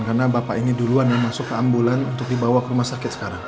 karena bapak ini duluan yang masuk ke ambulan untuk dibawa ke rumah sakit sekarang